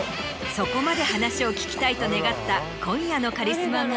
そこまで話を聞きたいと願った今夜のカリスマが。